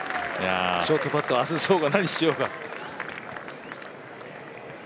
ショートパットを外そうが、何しようが。